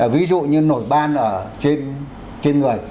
ví dụ như nổi ban ở trên người